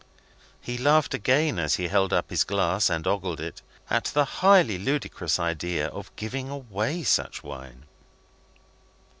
He laughed again, as he held up his glass and ogled it, at the highly ludicrous idea of giving away such wine.